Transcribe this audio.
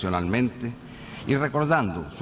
ขอบคุณครับ